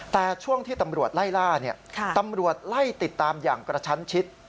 แต่ช่วงที่ตำรวจไล่ล่าตำรวจไล่ติดตามอย่างกระชั้นชิด